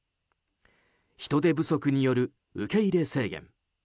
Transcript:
人手不足による受け入れ制限。